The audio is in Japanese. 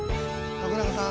徳永さん？